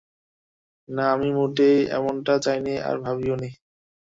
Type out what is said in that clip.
না, আমি মোটেই এমনটা চাইনি আর ভাবিওনি।